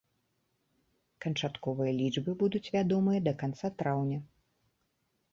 Канчатковыя лічбы будуць вядомыя да канца траўня.